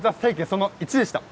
その１でした。